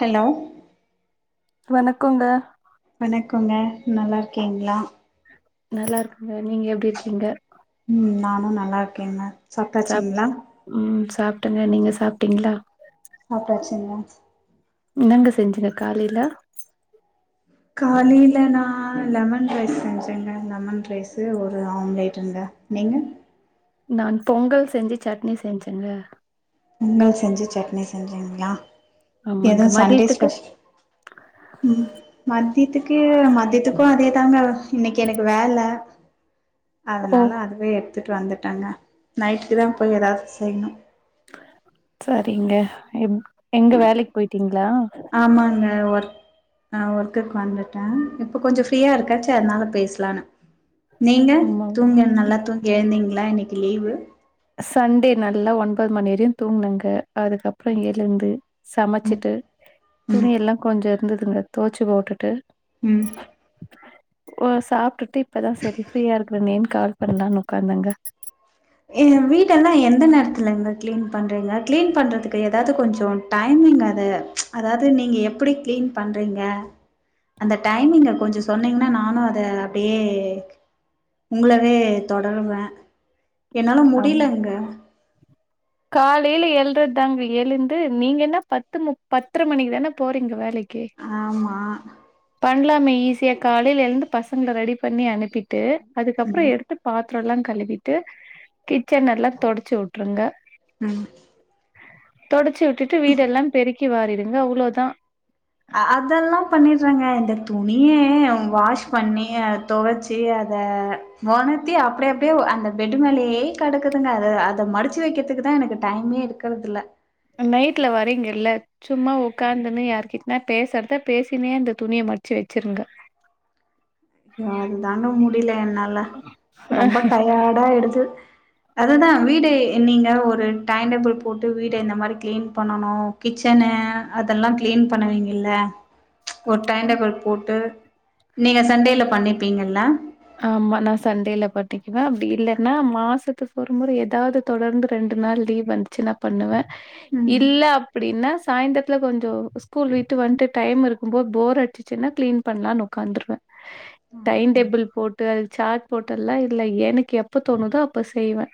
Hello வணக்கோங்க வணக்கோங்க நல்லாருக்கீங்ளா நல்லா இருக்குங்க நீங்க எப்டி இருக்கீங்க ம் நானு நல்லா இருக்கேங்க சாப் சாப்ட்டாச்சிங்ளா ம் சாப்ட்டங்க நீங்க சாப்ட்டீங்ளா சாப்டாச்சிங்க ன்னங்க செஞ்சீங்க காலையில காலில நான லெமன் ரைஸ் செஞ்சேங்க லெமன் ரைஸு ஒரு ஆம்லேட்டுங்க நீங்க நான் பொங்கல் செஞ்சி சட்னி செஞ்சேங்க பொங்கல் செஞ்சி‌சட்னி செஞ்சீங்களா எதுவு ஆமாங்க சண்டே மதியத்துக்கு ஸ்பெஷல் ம் மத்தித்துக்கு மத்தியத்துக்கு அதே தாங்க இன்னைக்கு எனக்கு வேல ஓ அதனால அதுவே எடுத்துட்டு வந்துட்டாங்க நைட்டுக்கு தா போயி ஏதாவது செய்ணு சரிங்க எ எங்க வேலைக்கு போயிட்டீங்ளா ஆமாங்க ஒர்க் ஆ ஒர்க்குக்கு வந்துட்டே இப்போ கொஞ்சோ ஃப்ரீயா இருக்க அதனால பேசலானு நீங்க ஆமா தூங்கி நல்லா தூங்கி எழுந்தீங்களா இன்னைக்கு லீவு சண்டே நல்லா ஒன்பது மணி வரையு தூங்கனுங்க அதுக்கப் ற எழுந்து ம் சமச்சிட்டு துணி எல்லா கொஞ்சோ இருந்ததுங்க தோச்சு போட்டுட்டு உம் ஓ சாப்ட்டுட்டு இப்பதா சரி ஃப்ரீயா இருக்கரனேன்னு கால் பண்ணலான் உக்காந்தங்க வீடல்லா எந்த நேரத்துலங்க கிளீன் பண்றீங்க கிளீன் பண்றதுக் ஏதாவது கொஞ்சோ டைமிங் அது அதாவது நீங்க எப்டி கிளீன் பண்றீங்க அந்த டைமிங்க கொஞ்சோ சொன்னீங்கனா நானு அத அப்டியே உங்களவே தொடருவே என்னால ஆம் முடியலங்க காலையில எழ்றது தாங்க எழுந்து நீங்கனா பத்து மு பத்தரை மணிக்கு தானே போறீங்க வேலைக் ஆமா பண்ணலாமே ஈஸியா காலையில எழுந்து பசங்கள ரெடி பண்ணி அனுப்பிட்டு அதுக்கப்புறோ எடு த்து பாத்திரோல்லா கழுவிட்டு கிச்சனல்லா தொடைச்சு வுட்டுருங்க ம் தொடச்சி வுட்டுட்டு வீடெல்லா பெருக்கி வாரிடுங்க அவ்ளோதா அதல்லா பண்ணிட்றாங்க இந்த துணியே வாஷ் பண்ணி அத தொவச்சி அத வொனத்தி அப்டி அப்டியே அந்த பெட்டு மேலேயே கெடக்குதுங்க அது அத மடிச்சு வைக்கிறதுக்குதா எனக்கு டைமே இரு க்கறதுல நைட்ல வரீங்கல்ல சும்மா உக்காந்துனு யாருக்கிட்டனாது பேசுறத பேசினே இந்த துணிய மடிச்சு வச்சிருங்க நானுந்தாங்க முடியில என்னால ரொம்ப டயர்டா ஆயிடுது அதுதா வீடு நீங்க ஒரு டைம் டேபிள் போட்டு வீட இந்த மாரி கிளீன் பண்ணணு கிச்சனு அதெல்லா க்ளீன் பண்ணுவீங்கல்ல ஒரு டைம் டேபிள் போட்டு நீங்க சண்டேல பண்ணிர்ப்பீங்கல்ல ஆமா நா சண்டேல பண்ணிக்குவே அப்டி இல்லன்னா மாசத்துக்கு ஒரு முற எதாது தொடர்ந்து ரெண்டு நாள் லீவ் வந்துச்சுனா பண்ணுவே ம். இல்ல எப்டின்னா சாய்ந்திரத்தில கொஞ்சோ ஸ்கூல் விட்டு வந்துட்டு டைம் இருக்கும்போது போர் அடிச்சுச்சுன்னா க்ளீன் பண்ணலானு உக்காந்துருவே டைம் டேபிள் போட்டு அதுக்கு சாட் போட்டெல்லா இல்ல எனக்கு எப்ப தோணுதோ அப்ப செய்வே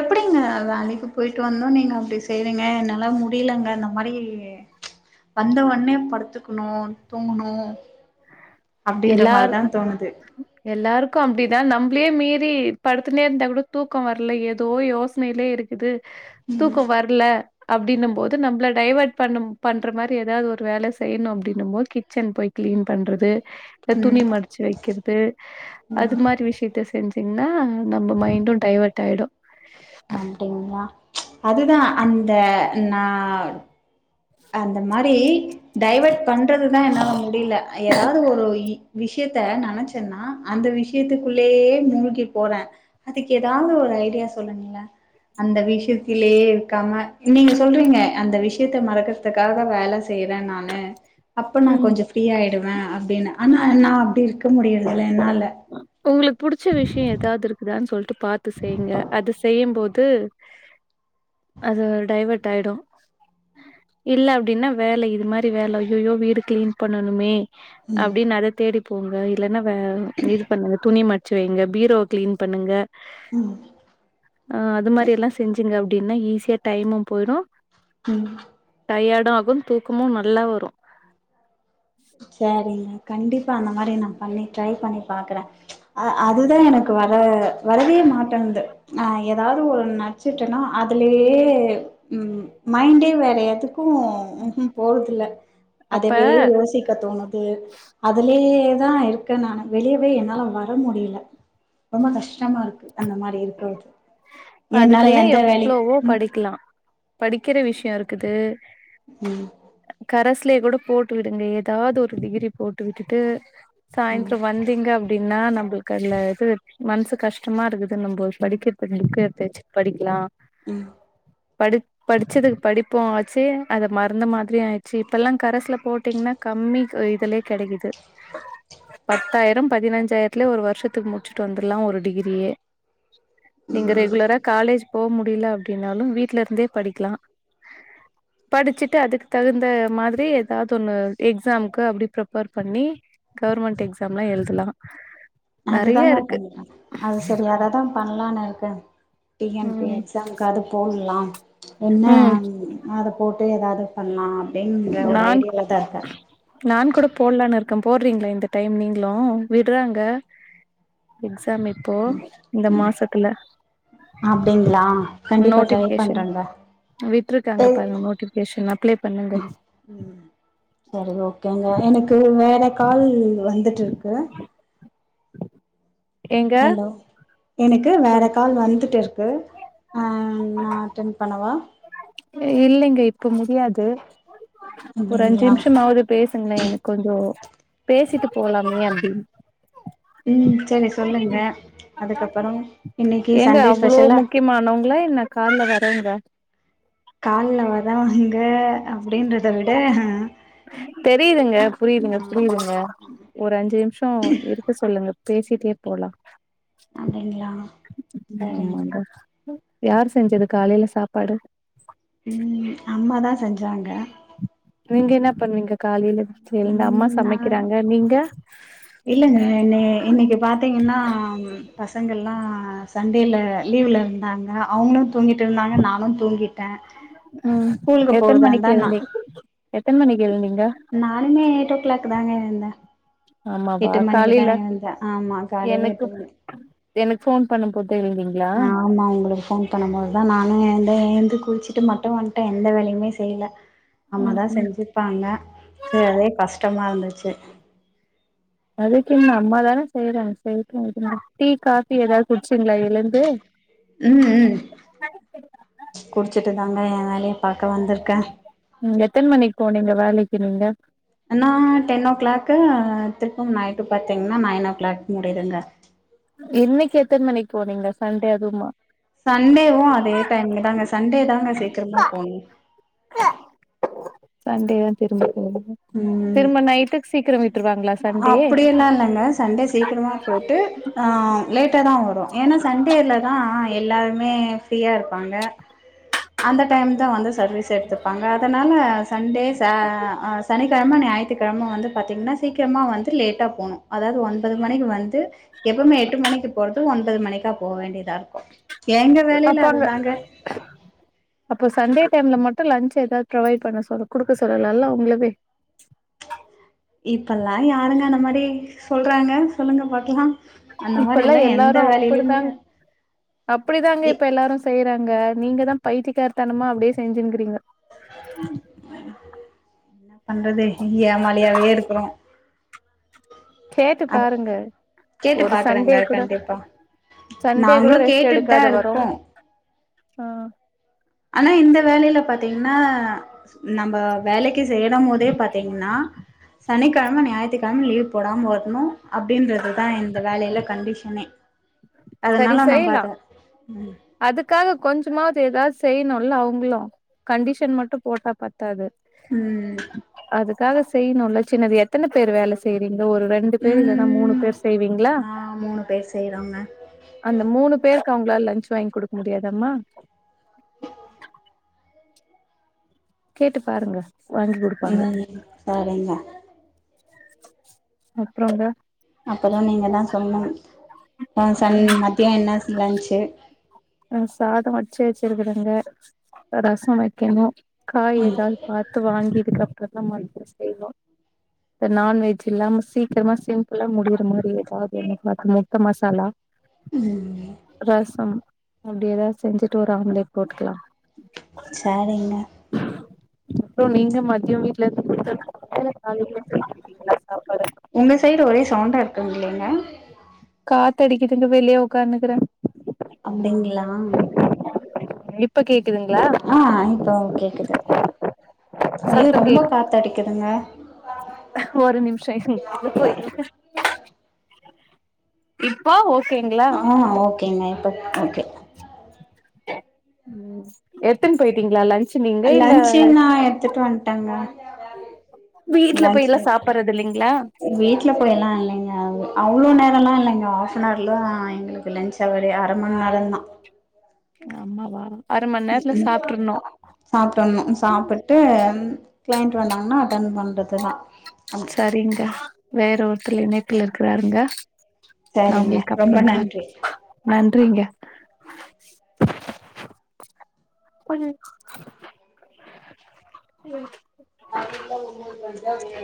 எப்டிங்க வேலக்கு போயிட்டு வந்து நீங்க அப்டி செய்றீங்க என்னால்ல முடியலங்க ந அந்த மாரி வந்தவுடனே படுத்துக்கணு தூங்கணு அப்டின்ற மாரிதா தோணுது எல்லாருக்கு அப்டிதா நம்ளே மீறி படுத்து நே இருந்தா கூட தூக்க வர்ல ஏதோ யோச னேயிலே இருக்குது தூக்க வர்ல அப்டின்கபோது நம்ப்ள டைவர்ட் பண்ணு பண்ற மாரி எதாது ஒரு வேல செய்யணு அப்படின்போது கிச்சன் போய் கிளீன் பண்றது இல்ல ம் துணி மடிச்சு வை க்கிறது அது மாரி விஷயத்த செஞ்சீங்கன்னா நம்ம மைண்டு டைவர்ட் ஆயிடு அப்டிங்களா அதுதா அந்த நா அந்த மாரி டைவர்ட் பண்றதுதா என்னால முடியில எதாது ஒரு விஷ்யத்த நெனச்சன்னா அந்த விஷயத்துக்குள்ளேயே மூழ்கி போறே அதுக்கு எதாவது ஒரு ஐடியா சொல்லுங்ளே அந்த விஷயத்திலேயே இருக்காம நீங்க சொல்றீங்க அந்த விஷயத்த மறக்க துக்காக தா வேல செய்யறே நானு அப்ப நா ம் கொஞ்ச ஃப்ரீ ஆயிடுவே அப்டின்னு ஆனா நா அப்டி இருக்க முடியறதில்ல என்னால உங்களுக்கு புடிச்ச விஷய எதாது இருக்குதான்னு சொல்ட்டு பாத்து செய்ங்க அது செய்யும் போது அது டைவர்ட் ஆயிடு இல்ல அப்டின்னா வேல இது மாரி வேல ஐயயோ வீடு கிளீன் பண்ணணுமே அப்டின்னு அத தேடிப்போங்க இல்லன்னா வே இது பண்ணுங்க துணி மடிச்சு வைங்க பீரோ கிளீன் பண்ணுங்க ஆ அது மாரில்லா செஞ்சுங்க அப்டின்னா ஈஸியா டைமு போயிடு ம் டயர்டு ஆகும் தூக்கமும் நல்லா வரும் சாரிங்க கண்டிப்பா அந்த மாரி நா பண்ணி ட்ரை பண்ணி பாக்குறே அ அதுதா எனக்கு வர வரவே மாட்டேங்குது ஆ எதாவது ஒரு நச்சுட்டேனா அதுலயே ம் மைண்டே வேற எதுக்கு ம் ஹும் போறதுல்ல அப்ப அதுலே யோசிக் க தோணுது அதுலயேதா இருக்கே நானு வெளியவே என்னால வர முடியல ரொம்ப கஷ்டமா இருக்கு அந்த மாரி இருக்கது என்னால அதுக்கெல்லா எந்த வேலயு எவ்ளோவோ படிக்கலா படிக்கிற விஷ்ய இருக்குது ம் கரஸ்லயே கூட போட்டு விடுங்க எதாது ஒரு டிகிரி போட்டு விட்டுட்டு ம் சாய்ந்தரம் வந்தீங்க அப்டினா நம்ளுக்கு அதுல இது மனசு கஷ்டமா இருக்குது நம்ம படிக்கிறது புக்கு எடுத்து வச்சு படிக்கலா ம் படு படிச்சதுக்கு படிப்பு ஆச்சு அத மருந்து மாத்திரயு ஆயிடுச்சு இப்பல்லா கரஸ்ல போட்டீங்கன்னா கம்மி இதுலயே கெடைக்குது பத்தாயிர பதினஞ்சாயிரத்துலயே ஒரு வருஷத்துக்கு முடிச்சுட்டு வந்துரலா ஒரு டிகிரியே நீங்க ரெகுலரா காலேஜ் போ முடியல அப்டின்னாலு வீட்ல இருந்தே படிக்லா படிச்சுட்டு அதுக் தகுந்த மாதிரி எதாவது ஒன்னு எக்ஸாம்க்கு அப்டி ப்ரிப்பேர் பண்ணி கவர்மெண்ட் எக்ஸாம்லா எழுதலா நெறைய அதுதாங்க இருக்கு பண்ணற அது சரி அததா பண்ணலான்னு இருக்க டி என் பி ம் எஸ் எனக்கு அது போட்லா என்ன ம் அது அத போட்டு எதாவது பண்லா அப்படிங்குற ஒரு நான் ஐடியாவ்லதா இருக்க நான் கூட போட்லான்னு இருக்கே போட்றீங்களா இந்த டைம் நீங்ளு விடுறாங்க எக்ஸாம் இப்போ இந்த மாசத்துல அப்டிங்ளா கண்டிப்பா ட்ரை நோட்டிபிகேஷன் பண்றங்க விட்ருக்காங்க பாருங்க நோட்டிபிகேஷன் அப்ளை பண்ணுங்க ம் சரி ஓகேங்க எனக்கு வேற கால் வந்துட் இருக்கு ஏங்க ஹலோ எனக்கு வேற கால் வந்துட் இருக்கு அ நா அட்டன் பண்ணவா இல்லைங்க இப்ப முடியாது ஒரு அஞ்சு அப்டிங்களா நிமிஷமாவது பேசுங்களேன் எனக்கு கொஞ்சோ பேசிட்டு போலாமே அப்டின் ம் செரி சொல்லுங்க அதுக்கப்பறம் இன்னைக்கு ஏங்க சண்டே அவ்ளோ ஸ்பெஷலா முக்கியமானவங்களா என்ன கால்ல வரங்க கால்ல வரவ்ங்க அப்படின்றத விட தெரியுதுங்க புரியுதுங்க ஆ புரியுதுங்க ஒரு அஞ்சு நிமிஷ இருக்க சொல்லுங்க பேசிட்டே போலா அப்டிங்களா ஆமா சரிங்க மா யார் செஞ்சது காலைல சாப்பாடு ம் அம்மாதா செஞ்சாங்க நீங்க என்ன பண்ணுவீங்க காலைல வீட்ல இந்த அம்மா ம் நா சமைக்கிறாங்க நீங்க இல்லங்க நே இன்னைக்கு பாத்தீங்கன்னா பசங்கள்ல்லா சண்டேல லீவ்ல இருந்தாங்க அவங்களு தூங்கிட்டுருந்தாங்க நானு தூங்கிட் ம் எத்தன மணிக்கு இருந்தா நா எழுந்தீங் எத்தன மணி க்கு எழுந்தீங்க நானுமே எயிட் ஓ கிளாக் தாங்க எழுந்த ஆமாவா காலில ஆமா காலையில எனக்கு எட்டு மணி எனக்கு ஃபோன் பண்ணபோது தா எழுந்தீங்க ஆமா உங்களுக்கு ஃபோன் பண்ணும்போது தா நானே எந்த எந்து குளிச்சிட்டு மட்டு வந்ட்ட எந்த வேலையுமே செய்ல அம்மதா ம் செஞ்சிருப்பாங்க ச அதே கஷ்டமா இருந்துச்சு அதுக்கென்ன அம்மா தான செய்றாங்க செய்யட்டு விடுங்க டீ காபி எதாவது குடிச்சிங்ளா [inaudible] பேரம் ம் ம் குடிச்சிட்டு தாங்க ஏ வேலைய பாக்க வந்திருக்க நீங்க எத்தன மணிக்கு போனிங்க வேலைக்கு நீங்க ஆனா டென் ஓ கிளாக்கு திருப்பி நைட்டு பாத்தீங்கன்னா நைன் ஓ கிளாக் முடிதுங்க இன்னைக்கு எத்தன மணிக்கு போனிங்க சண்டே அதுமா சண்டேவும் அதே டைம் தாங்க சண்டே தாங்க சீக்கிரமா போணும் சண்டேதா திரும்ப போனும் ம் திரும்ப நைட்டுக்கு சீக்கிரம் விட்ருவாங்களா சண்டே [unintelligible] சண்டே சீக்கிரமா போட்டு ஆ லேட்டா தான் வரும் ஏன்னா சண்டேல தான் எல்லாருமே ஃப்ரீயா இருப்பாங்க அந்த டைம் தான் வந்து சர்வீஸ் எடுத்துப்பாங்க அதனால சண்டே சா அ இது இல்லாம ஞாயிற்றுக்கிழம வந்து பாத்தீங்கன்னா சீக்கிரமா வந்து லேட்டா போனும் அதாவது ஒன்பது மணிக்கு வந்து எப்பவுமே எட்டு மணிக்கு போறது ஒன்பது மணிக்கா போ வேண்டியதா இருக்கும் எங்க வேலையில அப்ப அங்க அதுதாங்க [inaudible] அப்போ சண்டே டைம்ல மட்டும் லன்ச் ஏதாவது ப்ரொவைட் பண்ண சொல் கொடுக்க சொல்லலால்ல உங்களவே இப்பல்லாம் யாருங்க அந்த மாரி சொல்றாங்க சொல்லுங்க பார்கலாம் அந்த இப்பல்லா மாரில்லா எந்த வேலையிலயுமே அப்டிதாங்க இ இப்ப எல்லாரும் செய்றாங்க நீங்க தான் பயித்திய காரத்தனமா அப்டே செஞ்சுங்கிறீங்க என்ன பண்றது யேமாலியாவே இருக்குறோ கேட்டு பாருங்க கேட்டு ஒரு சண்டே பாக்குறேங்க கூட கண்டிப்பா. சண்டே கூட நாங்களும் ரெஸ்ட் கேட்டுட்டு எடுக்காத தான் வரோ இருக்கோம். அ ஆனா இந்த வேலையில பார்த்தீங்கன்னா நம்ம வேலைக்கு சேரும்போதே பாத்தீங்கன்னா சனிக்கிழம ஞாயித்திக் தெனமு நீ லீவு போடாம வரணும் அப்டின்றது தான் இந்த வேலையில கண்டிஷனே சரி அதனால நம்ம செய்லா அத அதுக்காக கொஞ்சமாது ஏதாவது செய்ணும்ல அவங்களும் கண்டிஷன் மட்டும் போட்டா பத்தாது ம் அதுக்காக செய்ணும்ல சின்னது எத்தனை பேர் வேல செய்றீங்க ஒரு ரெண் டு பேர் இல்லன்னா மூணு ம் பேர் செய்வீங்களா ஆ மூணு பேர் செய்றோங்க அந்த மூணு பேருக்கு அவுங்களால லன்ச் வாங்கி குடுக்க முடியாதாம்மா கேட்டு பாருங்க வாங்கி குடு முன்னாடியே தரம்மா அப்றங்க அப்பறோ நீங்க தான் சொல்லனும் அ சண் மதியோ என்ன சி லன்சு அ சாதம் வடிச்சே வச்சிருக்குறங்க ரசம் வைக்கணும் காய் ஏதாது பார்த்து வாங்கியதுக்கப்புற தான் மதியோ செய்னு இந்த நான்வெஜ் இல்லாம சீக்கிரமா சிம்பளா முடியிற மாரி ஏதாது எனக்கு பாத்து முட்ட மசாலா ம் ரசம் அப்டி ஏதா செஞ்சுட்டு ஒரு ஆம்லேட் போட்டுக்கலாம் சார் இல்ல அப்றோம் நீங்க மதியோம் வீட்ல இருந்து கொடுத்தது [unintelligible] உங்க சைடு ஒரே சவுண்டா இருக்குங்கலே இல்ல காத்தடிக்குதுன்னு வெளியே உக்கானுக்கிறேன் அப்டிங்களா இப்ப கேக்குதுங்களா ஆ இப்போ கேக்குது ஐயோ சத்தோ ரொம்ப கேக்கு காத்தடிக்குதுங்க ஒரு நிமிஷ இருங்க போ இருங்க இப்பா ஓகேங்ளா ஆ ஓகேங்க எப்போப் ஓகே ம் எத்துன் போயிட்டீங்களா ல லன்ச்சு நா எடுத்துட்டு வண்ட்டேங்க வீட்ல போயில்லா சாப்புறது இல்லைங்களா வட்ல போய்லா இல்லைங்க அவ்ளோ நேரல்லா இல்லைங்க ஹஃப்ன்னர்ல எங்களுக்கு லஞ்ச் அவரே அர மண் நேரந்தா ஆமாவா அர மண் நேரத்துல சாப்ட்ருந்தோ சாப்படணு சாப்ட்டு க்ளைண்ட் வந்தாங்கன்னா அட்டெண்ட் பண்ணுறது தா சரிங்க வேற ஒருத்துல இணைப்புல இருக்கிறாருங்க நா சரிங்க உங்களுக்கு ரொம்ப அப்பற கால் நன்றி நன்றிங்க ஒரு [unintelligible]